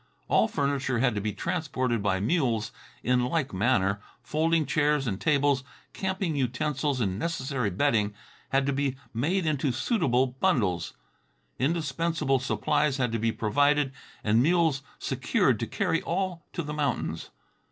All furniture had to be transported by mules in like manner; folding chairs and tables, camping utensils and necessary bedding had to be made into suitable bundles; indispensable supplies had to be provided and mules secured to carry all to the mountains.